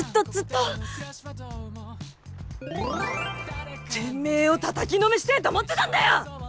てめえをたたきのめしてえと思ってたんだよ！